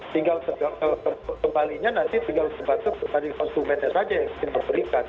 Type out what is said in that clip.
tinggal kembalinya nanti tinggal dibantu dari konsumennya saja yang ingin memberikan